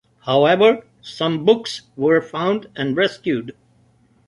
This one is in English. However, some books were found and rescued.